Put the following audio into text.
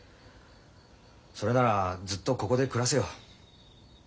それならずっとここで暮らせよ。